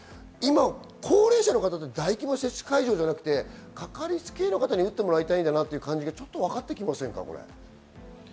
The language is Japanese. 高齢者の方で大規模接種会場じゃなくて、かかりつけ医の方に打ってもらいたいんだなというのがわかってきませんか。